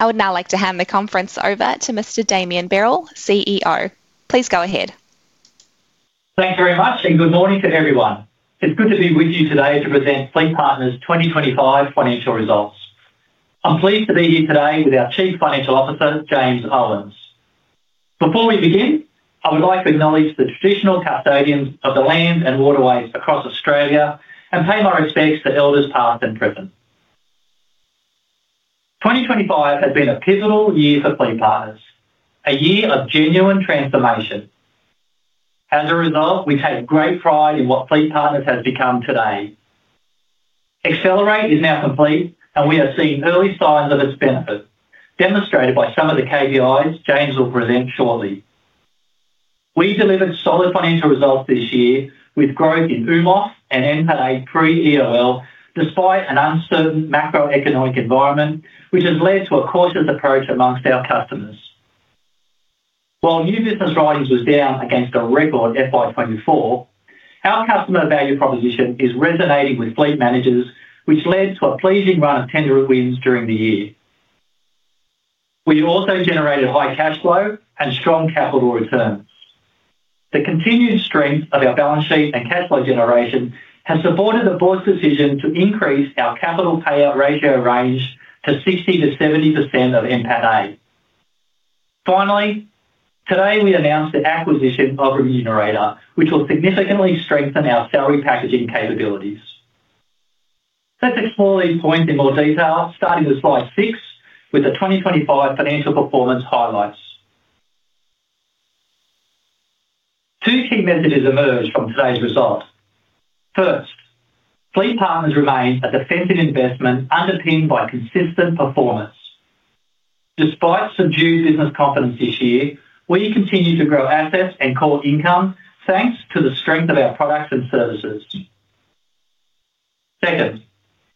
I would now like to hand the conference over to Mr. Damien Berrell, CEO. Please go ahead. Thank you very much, and good morning to everyone. It's good to be with you today to present FleetPartners' 2025 financial results. I'm pleased to be here today with our Chief Financial Officer, James Owens. Before we begin, I would like to acknowledge the Traditional Custodians of the lands and waterways across Australia and pay my respects to Elders past and present. 2025 has been a pivotal year for FleetPartners, a year of genuine transformation. As a result, we take great pride in what FleetPartners has become today. Accelerate is now complete, and we are seeing early signs of its benefits, demonstrated by some of the KPIs James will present shortly. We delivered solid financial results this year, with growth in UMOF and MPAE pre-EOL, despite an uncertain macroeconomic environment, which has led to a cautious approach amongst our customers. While new business writings was down against a record FY2024, our customer value proposition is resonating with fleet managers, which led to a pleasing run of tender wins during the year. We also generated high cash flow and strong capital returns. The continued strength of our balance sheet and cash flow generation has supported the Board's decision to increase our capital payout ratio range to 60%–70% of MPAE. Finally, today we announced the acquisition of Remunerator, which will significantly strengthen our salary packaging capabilities. Let's explore these points in more detail, starting with slide six with the 2025 financial performance highlights. Two key messages emerge from today's result. First, FleetPartners remains a defensive investment underpinned by consistent performance. Despite subdued business confidence this year, we continue to grow assets and core income thanks to the strength of our products and services. Second,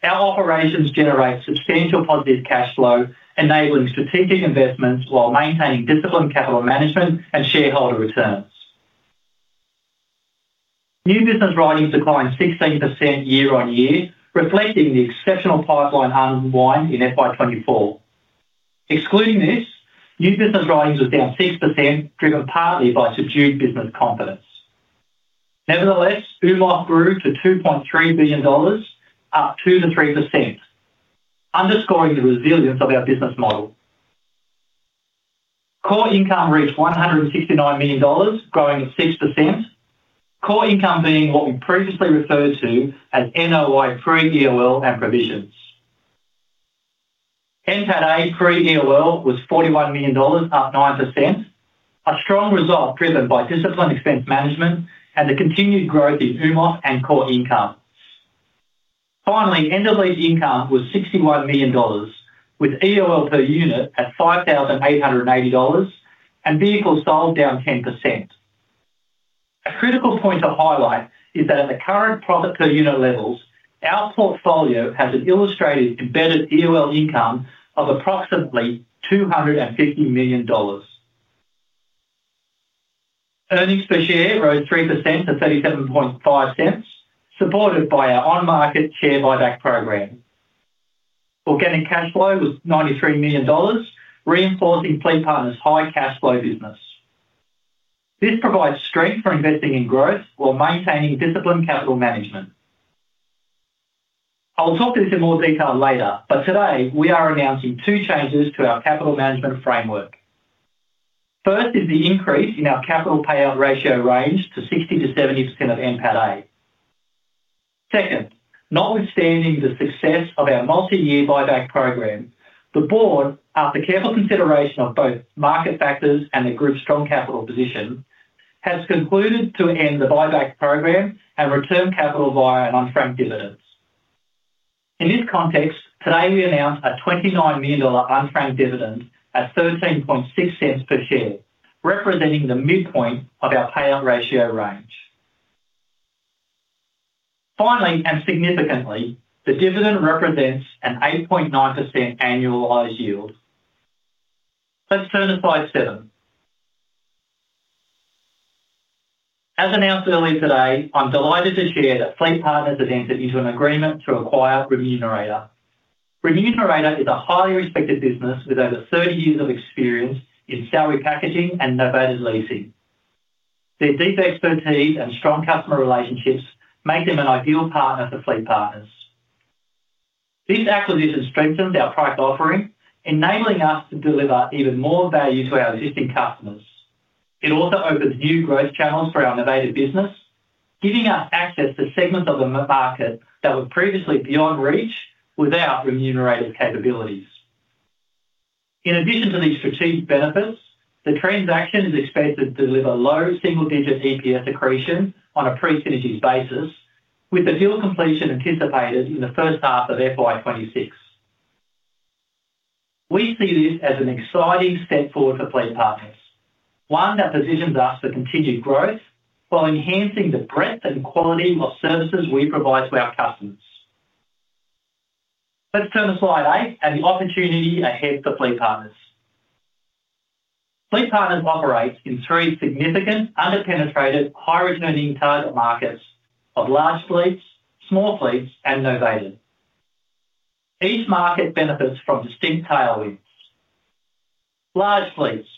our operations generate substantial positive cash flow, enabling strategic investments while maintaining disciplined capital management and shareholder returns. New business writings declined 16% year on year, reflecting the exceptional pipeline unwind in FY2024. Excluding this, new business writings were down 6%, driven partly by subdued business confidence. Nevertheless, UMOF grew to AUD 2.3 billion, up 2%–3%, underscoring the resilience of our business model. Core income reached 169 million dollars, growing at 6%, core income being what we previously referred to as NOI pre-EOL and provisions. MPAE pre-EOL was 41 million dollars, up 9%, a strong result driven by disciplined expense management and the continued growth in UMOF and core income. Finally, end-of-lease income was 61 million dollars, with EOL per unit at 5,880 dollars, and vehicles sold down 10%. A critical point to highlight is that at the current profit-per-unit levels, our portfolio has an illustrated embedded EOL income of approximately AUD 250 million. EPS rose 3% to 0.375, supported by our on-market share buyback program. Organic cash flow was 93 million dollars, reinforcing FleetPartners' high cash flow business. This provides strength for investing in growth while maintaining disciplined capital management. I'll talk to this in more detail later, but today we are announcing two changes to our capital management framework. First is the increase in our capital payout ratio range to 60-70% of MPAE. Second, notwithstanding the success of our multi-year buyback program, the Board, after careful consideration of both market factors and the Group's strong capital position, has concluded to end the buyback program and return capital via an unfranked dividend. In this context, today we announce an 29 million dollar unfranked dividend at 13.6 per share, representing the midpoint of our payout ratio range. Finally, and significantly, the dividend represents an 8.9% annualised yield. Let's turn to slide seven. As announced earlier today, I'm delighted to share that FleetPartners has entered into an agreement to acquire Remunerator. Remunerator is a highly respected business with over 30 years of experience in salary packaging and novated leasing. Their deep expertise and strong customer relationships make them an ideal partner for FleetPartners. This acquisition strengthens our price offering, enabling us to deliver even more value to our existing customers. It also opens new growth channels for our novated business, giving us access to segments of the market that were previously beyond reach without Remunerator's capabilities. In addition to these strategic benefits, the transaction is expected to deliver low single-digit EPS accretion on a pre-synergy basis, with the deal completion anticipated in the first half of FY2026. We see this as an exciting step forward for FleetPartners, one that positions us for continued growth while enhancing the breadth and quality of services we provide to our customers. Let's turn to slide eight and the opportunity ahead for FleetPartners. FleetPartners operates in three significant, underpenetrated, high-returning target markets of large fleets, small fleets, and novated. Each market benefits from distinct tailwinds. Large fleets.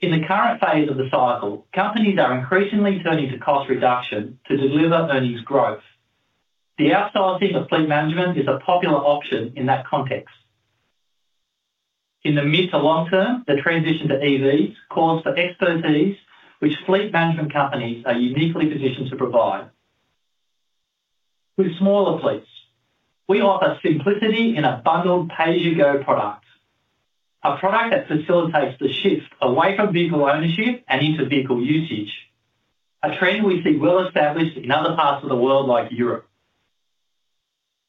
In the current phase of the cycle, companies are increasingly turning to cost reduction to deliver earnings growth. The outsourcing of fleet management is a popular option in that context. In the mid to long term, the transition to EVs calls for expertise, which fleet management companies are uniquely positioned to provide. With smaller fleets, we offer simplicity in a bundled pay-as-you-go product, a product that facilitates the shift away from vehicle ownership and into vehicle usage, a trend we see well established in other parts of the world like Europe.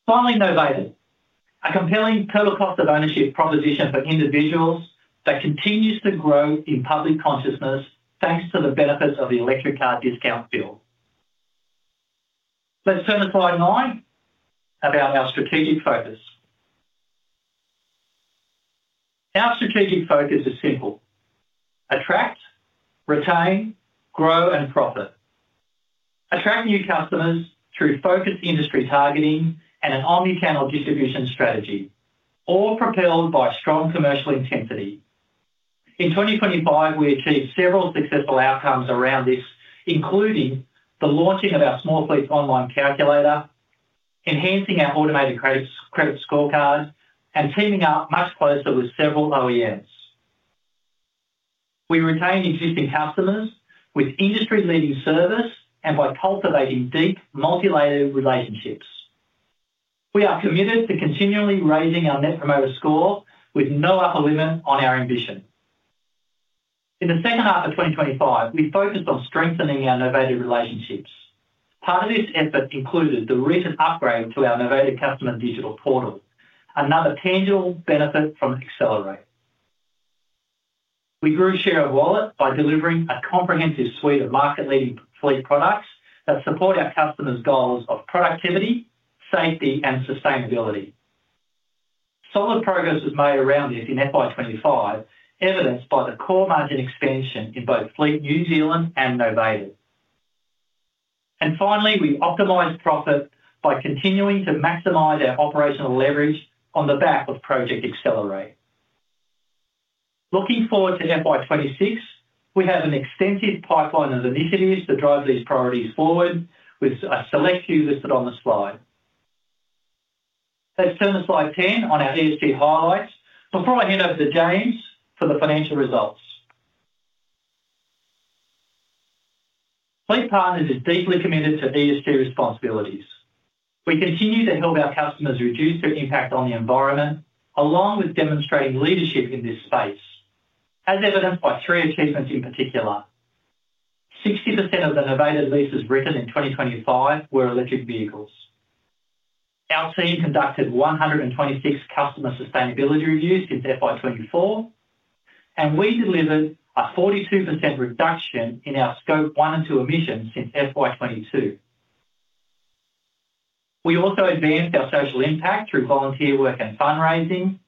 Finally, novated, a compelling total cost of ownership proposition for individuals that continues to grow in public consciousness thanks to the benefits of the Electric Car Discount Bill. Let's turn to slide nine about our strategic focus. Our strategic focus is simple: attract, retain, grow, and profit. Attract new customers through focused industry targeting and an omnichannel distribution strategy, all propelled by strong commercial intensity. In 2025, we achieved several successful outcomes around this, including the launching of our small-fleet online calculator, enhancing our automated credit scorecard, and teaming up much closer with several OEMs. We retained existing customers with industry-leading service and by cultivating deep, multi-layered relationships. We are committed to continually raising our Net Promoter Score with no upper limit on our ambition. In the second half of 2025, we focused on strengthening our novated relationships. Part of this effort included the recent upgrade to our novated customer digital portal, another tangible benefit from Accelerate. We grew share of wallet by delivering a comprehensive suite of market-leading fleet products that support our customers' goals of productivity, safety, and sustainability. Solid progress was made around this in FY25, evidenced by the core margin expansion in both fleet New Zealand and novated. Finally, we optimized profit by continuing to maximize our operational leverage on the back of project Accelerate. Looking forward to FY26, we have an extensive pipeline of initiatives to drive these priorities forward, with a select few listed on the slide. Let's turn to slide 10 on our ESG highlights before I hand over to James for the financial results. FleetPartners is deeply committed to ESG responsibilities. We continue to help our customers reduce their impact on the environment, along with demonstrating leadership in this space, as evidenced by three achievements in particular. 60% of the novated leases written in 2025 were electric vehicles. Our team conducted 126 customer sustainability reviews since FY2024, and we delivered a 42% reduction in our Scope one and two emissions since FY2022. We also advanced our social impact through volunteer work and fundraising.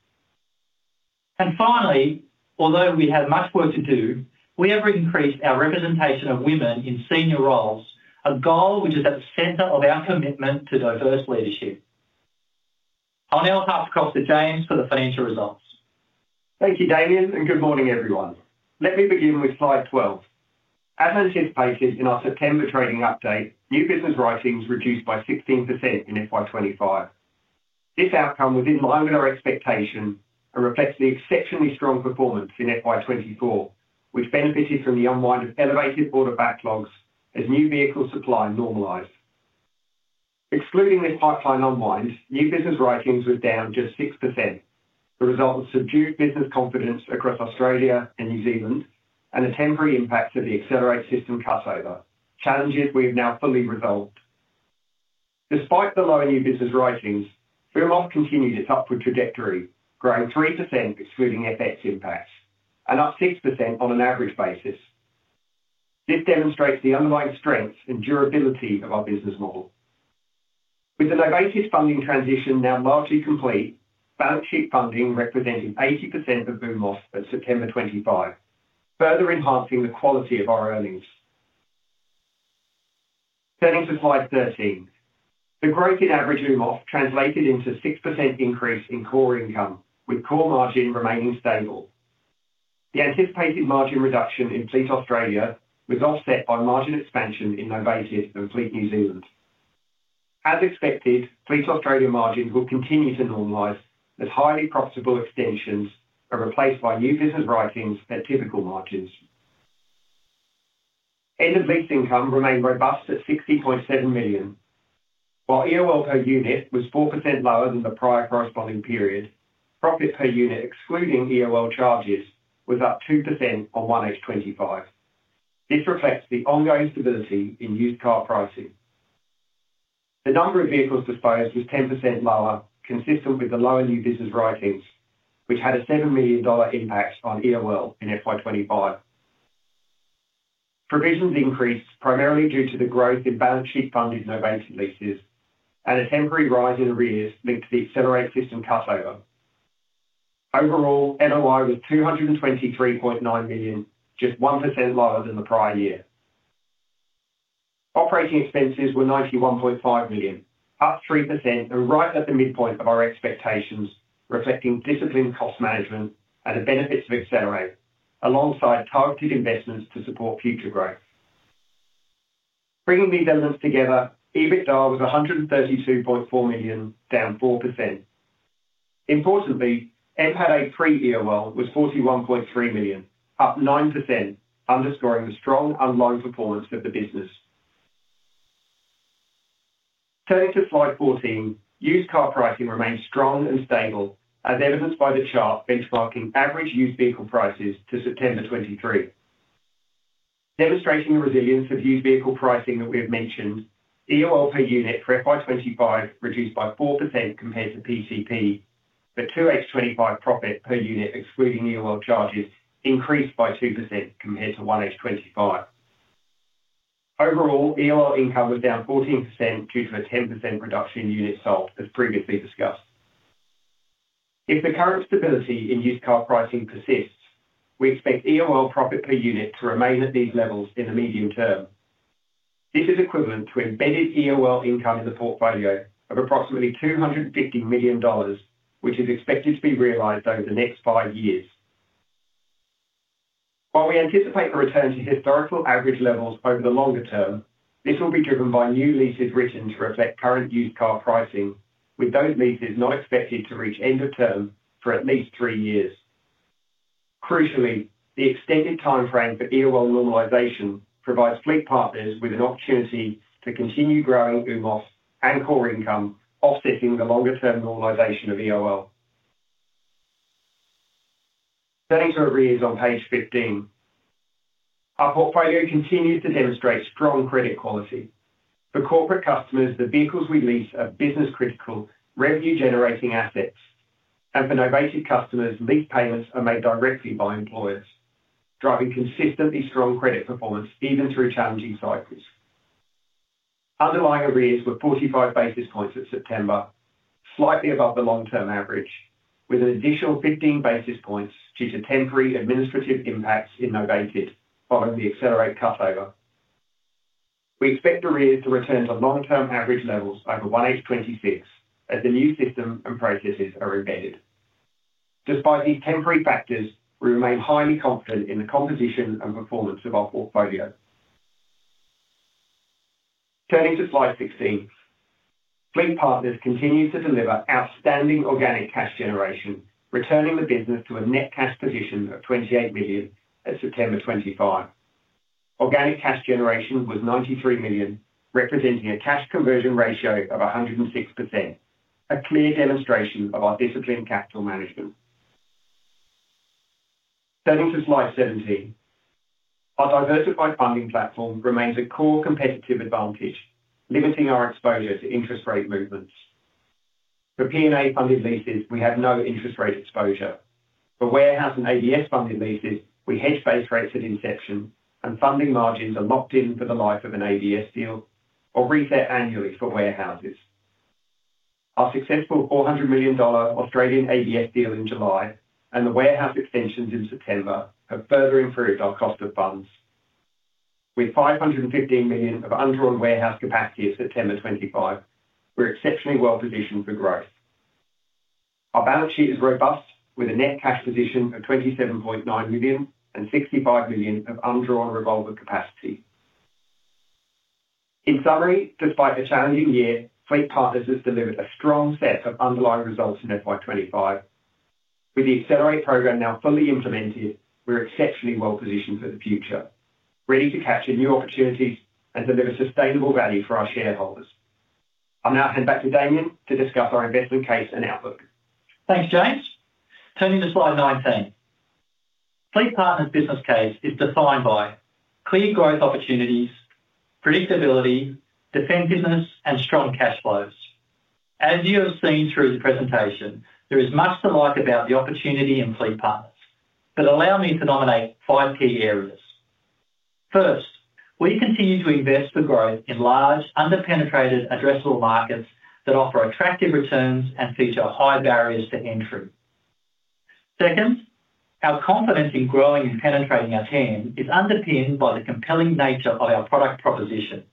Finally, although we have much work to do, we have increased our representation of women in senior roles, a goal which is at the center of our commitment to diverse leadership. I'll now pass across to James for the financial results. Thank you, Damien, and good morning, everyone. Let me begin with slide 12. As anticipated in our September trading update, new business writings reduced by 16% in FY2025. This outcome was in line with our expectation and reflects the exceptionally strong performance in FY2024, which benefited from the unwind of elevated order backlogs as new vehicle supply normalized. Excluding this pipeline unwind, new business writings were down just 6%, the result of subdued business confidence across Australia and New Zealand, and the temporary impact of the Accelerate system cutover, challenges we have now fully resolved. Despite the lower new business writings, UMOF continued its upward trajectory, growing 3%, excluding FX impacts, and up 6% on an average basis. This demonstrates the underlying strength and durability of our business model. With the novated funding transition now largely complete, balance sheet funding represented 80% of UMOF for September 2025, further enhancing the quality of our earnings. Turning to slide 13, the growth in average UMOF translated into a 6% increase in core income, with core margin remaining stable. The anticipated margin reduction in Fleet Australia was offset by margin expansion in novated and Fleet New Zealand. As expected, Fleet Australia margins will continue to normalize as highly profitable extensions are replaced by new business writings at typical margins. End-of-lease income remained robust at 60.7 million, while EOL per unit was 4% lower than the prior corresponding period. Profit per unit, excluding EOL charges, was up 2% on 1H25. This reflects the ongoing stability in used car pricing. The number of vehicles disposed was 10% lower, consistent with the lower new business writings, which had an 7 million dollar impact on EOL in FY2025. Provisions increased primarily due to the growth in balance sheet-funded novated leases and a temporary rise in arrears linked to the Accelerate system cutover. Overall, NOI was 223.9 million, just 1% lower than the prior year. Operating expenses were 91.5 million, up 3%, and right at the midpoint of our expectations, reflecting disciplined cost management and the benefits of Accelerate, alongside targeted investments to support future growth. Bringing these elements together, EBITDA was 132.4 million, down 4%. Importantly, MPAE pre-EOL was 41.3 million, up 9%, underscoring the strong unwind performance of the business. Turning to slide 14, used car pricing remained strong and stable, as evidenced by the chart benchmarking average used vehicle prices to September 2023. Demonstrating the resilience of used vehicle pricing that we have mentioned, EOL per unit for FY2025 reduced by 4% compared to PCP, but 2H2025 profit per unit, excluding EOL charges, increased by 2% compared to 1H2025. Overall, EOL income was down 14% due to a 10% reduction in units sold, as previously discussed. If the current stability in used car pricing persists, we expect EOL profit per unit to remain at these levels in the medium term. This is equivalent to embedded EOL income in the portfolio of approximately 250 million dollars, which is expected to be realized over the next five years. While we anticipate a return to historical average levels over the longer term, this will be driven by new leases written to reflect current used car pricing, with those leases not expected to reach end of term for at least three years. Crucially, the extended timeframe for EOL normalization provides FleetPartners with an opportunity to continue growing UMOF and core income, offsetting the longer-term normalization of EOL. Turning to arrears on page 15, our portfolio continues to demonstrate strong credit quality. For corporate customers, the vehicles we lease are business-critical, revenue-generating assets, and for novated customers, lease payments are made directly by employers, driving consistently strong credit performance even through challenging cycles. Underlying arrears were 45 basis points at September, slightly above the long-term average, with an additional 15 basis points due to temporary administrative impacts in novated following the Accelerate cutover. We expect arrears to return to long-term average levels over 1H26 as the new system and processes are embedded. Despite these temporary factors, we remain highly confident in the composition and performance of our portfolio. Turning to slide 16, FleetPartners continues to deliver outstanding organic cash generation, returning the business to a net cash position of 28 million at September 2025. Organic cash generation was 93 million, representing a cash conversion ratio of 106%, a clear demonstration of our disciplined capital management. Turning to slide 17, our diversified funding platform remains a core competitive advantage, limiting our exposure to interest rate movements. For P&A-funded leases, we have no interest rate exposure. For warehouse and ABS-funded leases, we hedge base rates at inception, and funding margins are locked in for the life of an ABS deal or reset annually for warehouses. Our successful 400 million Australian dollars Australian ABS deal in July and the warehouse extensions in September have further improved our cost of funds. With 515 million of undrawn warehouse capacity at September 2025, we're exceptionally well positioned for growth. Our balance sheet is robust, with a net cash position of 27.9 million and 65 million of undrawn revolver capacity. In summary, despite a challenging year, FleetPartners has delivered a strong set of underlying results in FY2025. With the Accelerate program now fully implemented, we're exceptionally well positioned for the future, ready to capture new opportunities and deliver sustainable value for our shareholders. I'll now hand back to Damien to discuss our investment case and outlook. Thanks, James. Turning to slide 19, FleetPartners' business case is defined by clear growth opportunities, predictability, defensiveness, and strong cash flows. As you have seen through the presentation, there is much to like about the opportunity in FleetPartners, but allow me to nominate five key areas. First, we continue to invest for growth in large, under-penetrated, addressable markets that offer attractive returns and feature high barriers to entry. Second, our confidence in growing and penetrating at hand is underpinned by the compelling nature of our product proposition.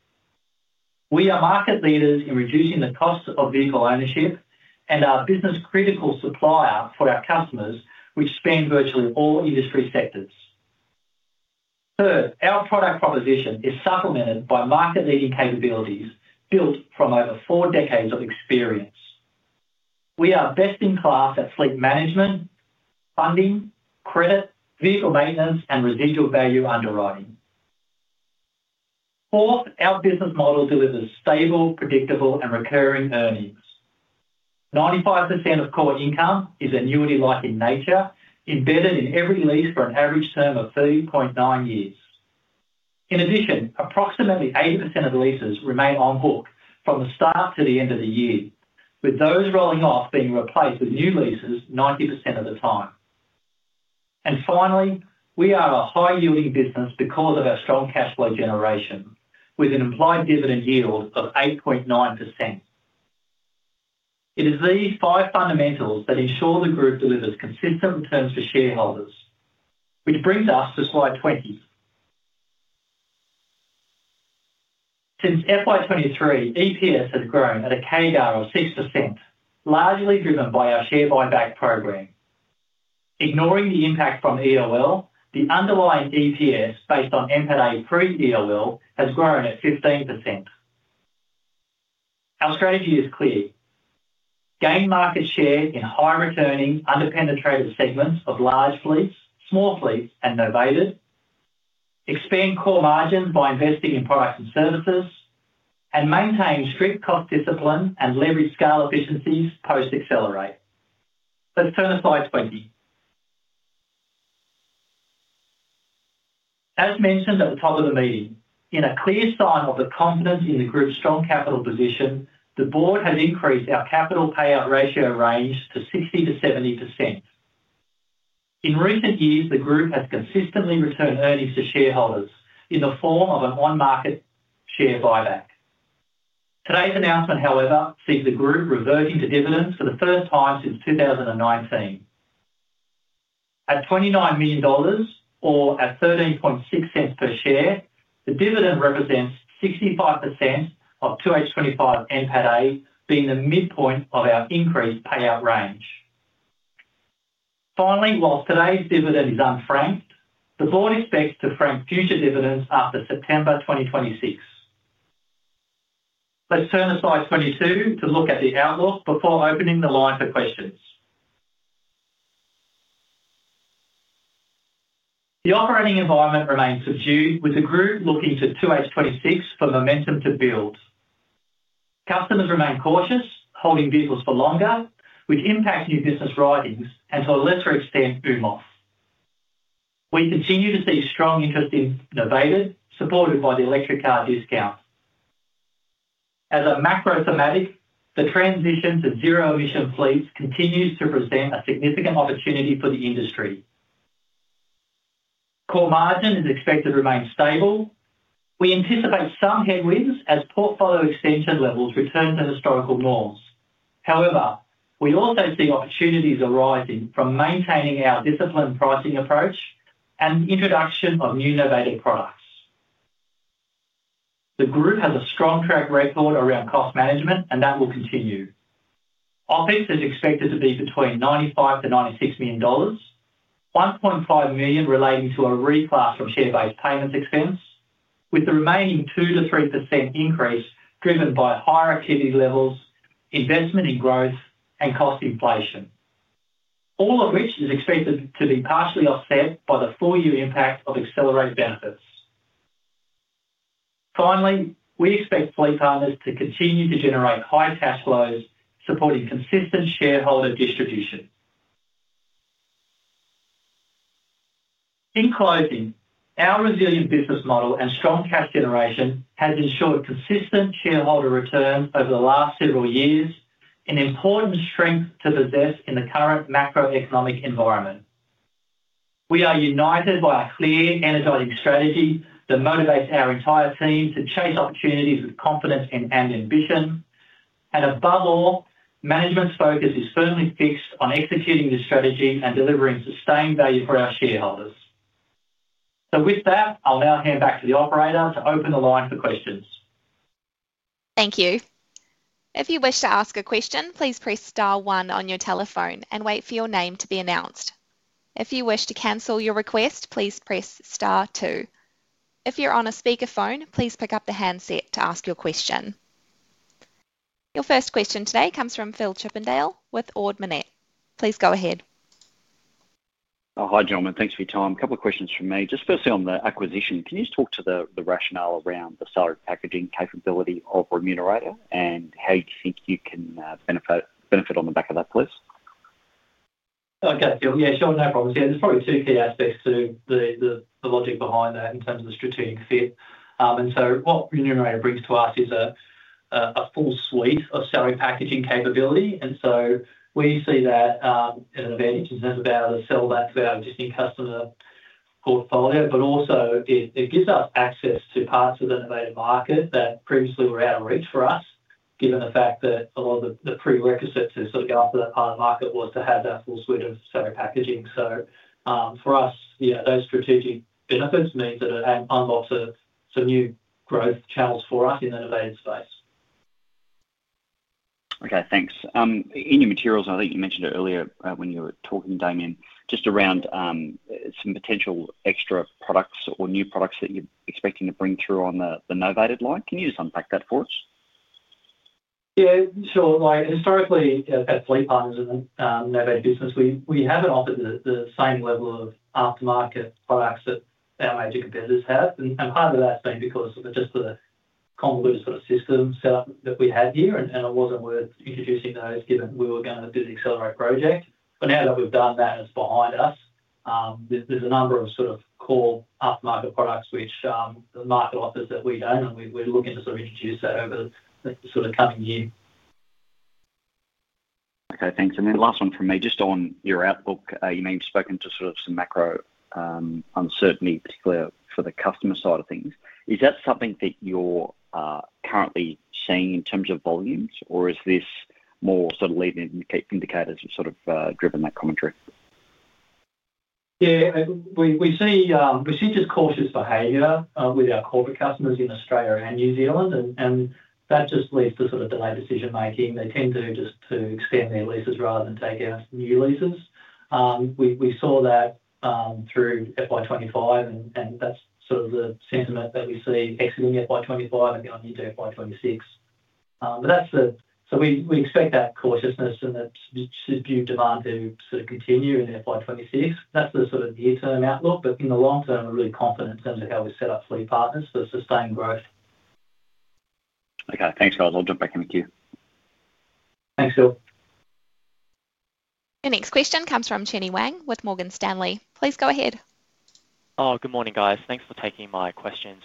We are market leaders in reducing the cost of vehicle ownership and are a business-critical supplier for our customers, which span virtually all industry sectors. Third, our product proposition is supplemented by market-leading capabilities built from over four decades of experience. We are best in class at fleet management, funding, credit, vehicle maintenance, and residual value underwriting. Fourth, our business model delivers stable, predictable, and recurring earnings. 95% of core income is annuity-like in nature, embedded in every lease for an average term of 3.9 years. In addition, approximately 80% of leases remain on-hook from the start to the end of the year, with those rolling off being replaced with new leases 90% of the time. Finally, we are a high-yielding business because of our strong cash flow generation, with an implied dividend yield of 8.9%. It is these five fundamentals that ensure the group delivers consistent returns for shareholders, which brings us to slide 20. Since FY2023, EPS has grown at a CAGR of 6%, largely driven by our share buyback program. Ignoring the impact from EOL, the underlying EPS based on MPAE pre-EOL has grown at 15%. Our strategy is clear: gain market share in high-returning, under-penetrated segments of large fleets, small fleets, and novated, expand core margins by investing in products and services, and maintain strict cost discipline and leverage scale efficiencies post-Accelerate. Let's turn to slide 20. As mentioned at the top of the meeting, in a clear sign of the confidence in the Group's strong capital position, the Board has increased our capital payout ratio range to 60–70%. In recent years, the group has consistently returned earnings to shareholders in the form of an on-market share buyback. Today's announcement, however, sees the group reverting to dividends for the first time since 2019. At 29 million dollars, or at 0.136 per share, the dividend represents 65% of 2H25 MPAE, being the midpoint of our increased payout range. Finally, whilst today's dividend is unfranked, the Board expects to frank future dividends after September 2026. Let's turn to slide 22 to look at the outlook before opening the line for questions. The operating environment remains subdued, with the group looking to 2H26 for momentum to build. Customers remain cautious, holding vehicles for longer, which impacts new business writings and, to a lesser extent, UMOF. We continue to see strong interest in novated, supported by the electric car discount. As a macro thematic, the transition to zero-emission fleets continues to present a significant opportunity for the industry. Core margin is expected to remain stable. We anticipate some headwinds as portfolio extension levels return to historical norms. However, we also see opportunities arising from maintaining our disciplined pricing approach and the introduction of new novated products. The group has a strong track record around cost management, and that will continue. OpEx is expected to be between 95 million–96 million dollars, 1.5 million relating to a reclass from share-based payments expense, with the remaining 2%–3% increase driven by higher activity levels, investment in growth, and cost inflation, all of which is expected to be partially offset by the full-year impact of Accelerate benefits. Finally, we expect FleetPartners to continue to generate high cash flows, supporting consistent shareholder distribution. In closing, our resilient business model and strong cash generation have ensured consistent shareholder returns over the last several years, an important strength to possess in the current macroeconomic environment. We are united by a clear, energizing strategy that motivates our entire team to chase opportunities with confidence and ambition. Above all, management's focus is firmly fixed on executing this strategy and delivering sustained value for our shareholders. With that, I'll now hand back to the operator to open the line for questions. Thank you. If you wish to ask a question, please press star one on your telephone and wait for your name to be announced. If you wish to cancel your request, please press star two. If you're on a speakerphone, please pick up the handset to ask your question. Your first question today comes from Phil Chippendale with Ord Minnett. Please go ahead. Hi, gentlemen. Thanks for your time. A couple of questions from me. Just firstly, on the acquisition, can you just talk to the rationale around the salary packaging capability of Remunerator and how you think you can benefit on the back of that, please? Okay, Phil. Yeah, sure. No problem. There are probably two key aspects to the logic behind that in terms of the strategic fit. What Remunerator brings to us is a full suite of salary packaging capability. We see that as an advantage in terms of being able to sell that to our existing customer portfolio, but also it gives us access to parts of the novated market that previously were out of reach for us, given the fact that a lot of the prerequisites to sort of go after that part of the market was to have that full suite of salary packaging. For us, those strategic benefits mean that it unlocks some new growth channels for us in the novated space. Okay, thanks. In your materials, I think you mentioned earlier when you were talking, Damien, just around some potential extra products or new products that you're expecting to bring through on the novated line. Can you just unpack that for us? Yeah, sure. Historically, at FleetPartners and the novated business, we haven't offered the same level of aftermarket products that our major competitors have. Part of that's been because of just the convoluted sort of system setup that we had here, and it wasn't worth introducing those given we were going to do the Accelerate project. Now that we've done that, it's behind us. There's a number of sort of core aftermarket products which the market offers that we don't, and we're looking to sort of introduce that over the coming year. Okay, thanks. The last one from me. Just on your outlook, you may have spoken to sort of some macro uncertainty, particularly for the customer side of things. Is that something that you're currently seeing in terms of volumes, or is this more sort of leading indicators that sort of driven that commentary? Yeah, we see just cautious behavior with our corporate customers in Australia and New Zealand, and that just leads to sort of delayed decision-making. They tend to just extend their leases rather than take out new leases. We saw that through FY2025, and that's sort of the sentiment that we see exiting FY2025 and going into FY2026. We expect that cautiousness and that subdued demand to sort of continue in FY2026. That's the sort of near-term outlook, but in the long term, we're really confident in terms of how we set up FleetPartners for sustained growth. Okay, thanks, guys. I'll jump back in with you. Thanks, Phil. Our next question comes from Jenny Wang with Morgan Stanley. Please go ahead. Oh, good morning, guys. Thanks for taking my questions.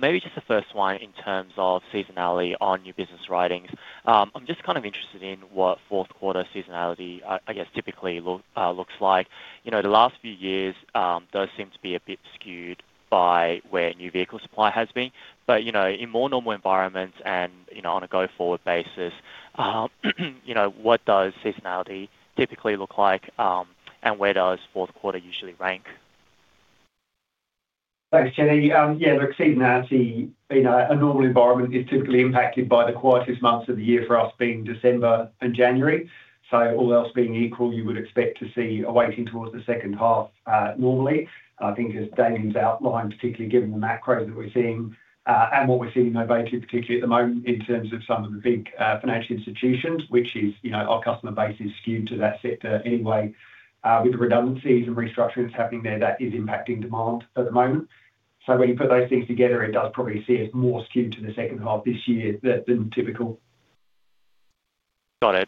Maybe just the first one in terms of seasonality on new business writings. I'm just kind of interested in what fourth-quarter seasonality, I guess, typically looks like. The last few years do seem to be a bit skewed by where new vehicle supply has been. But in more normal environments and on a go-forward basis, what does seasonality typically look like, and where does fourth quarter usually rank? Thanks, Jenny. Yeah, look, seasonality, in a normal environment, is typically impacted by the quietest months of the year for us, being December and January. All else being equal, you would expect to see a weighting towards the second half normally. I think, as Damien's outlined, particularly given the macros that we're seeing and what we're seeing in novated, particularly at the moment in terms of some of the big financial institutions, which is our customer base is skewed to that sector anyway. With the redundancies and restructuring that's happening there, that is impacting demand at the moment. When you put those things together, it does probably seem more skewed to the second half this year than typical. Got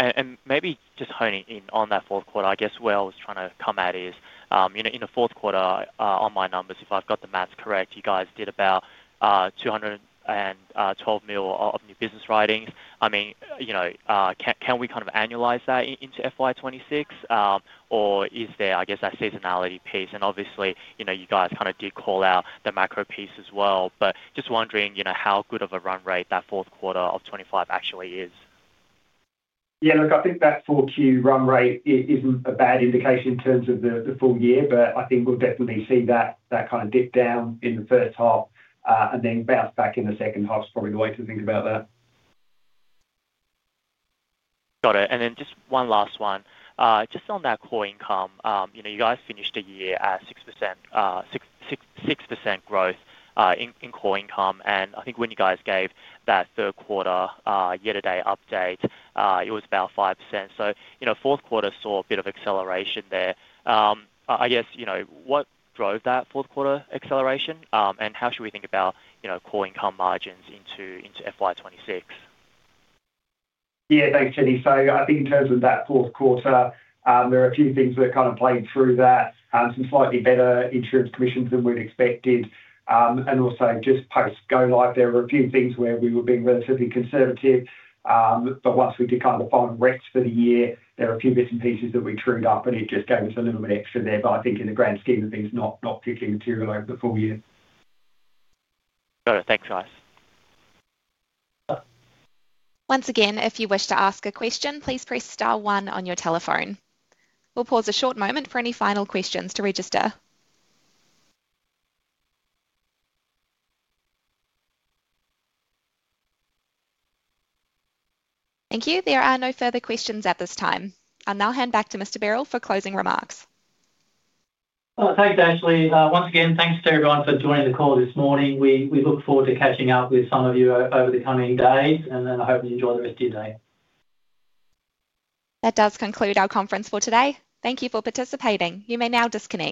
it. Maybe just honing in on that fourth quarter, I guess where I was trying to come at is, in the fourth quarter, on my numbers, if I've got the maths correct, you guys did about 212 million of new business writings. I mean, can we kind of annualize that into FY2026, or is there, I guess, that seasonality piece? Obviously, you guys kind of did call out the macro piece as well, but just wondering how good of a run rate that fourth quarter of 2025 actually is. Yeah, look, I think that Q4 run rate isn't a bad indication in terms of the full year, but I think we'll definitely see that kind of dip down in the first half and then bounce back in the second half is probably the way to think about that. Got it. And then just one last one. Just on that core income, you guys finished the year at 6% growth in core income. I think when you guys gave that third-quarter year-to-date update, it was about 5%. Fourth quarter saw a bit of acceleration there. I guess, what drove that fourth-quarter acceleration, and how should we think about core income margins into FY2026? Yeah, thanks, Jenny. I think in terms of that fourth quarter, there are a few things that kind of played through that, some slightly better insurance commissions than we'd expected. Also, just post-Go-Live, there were a few things where we were being relatively conservative. Once we did kind of find recs for the year, there were a few bits and pieces that we trued up, and it just gave us a little bit extra there. I think in the grand scheme of things, not particularly material over the full year. Got it. Thanks, guys. Once again, if you wish to ask a question, please press star one on your telephone. We'll pause a short moment for any final questions to register. Thank you. There are no further questions at this time. I'll now hand back to Mr. Berrell for closing remarks. Thanks, Ashley. Once again, thanks to everyone for joining the call this morning. We look forward to catching up with some of you over the coming days, and I hope you enjoy the rest of your day. That does conclude our conference for today. Thank you for participating. You may now disconnect.